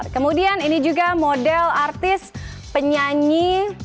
kemudian ini juga model artis penyanyi